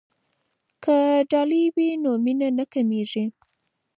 که ډالۍ وي نو مینه نه کمېږي.